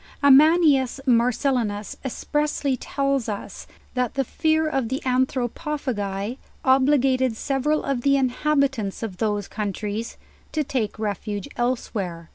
Amianus Marcellinus expressly tells us, that the fear of the Anthropophagi obliged several of the in habitants of those countries to ta ke refuge elsewhere.